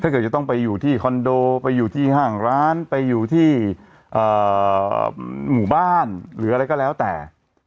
จะต้องไปอยู่ที่คอนโดไปอยู่ที่ห้างร้านไปอยู่ที่หมู่บ้านหรืออะไรก็แล้วแต่